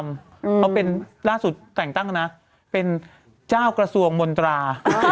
เขาเป็นล่าสุดแต่งตั้งนะเป็นเจ้ากระทรวงมนตรา